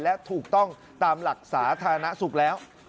และถูกต้องตามหลักสาธารณสุขแล้ว